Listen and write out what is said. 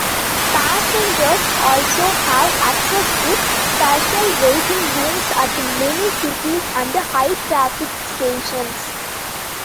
Passengers also have access to special waiting rooms at many cities and high-traffic stations.